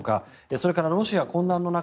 それからロシア混乱の中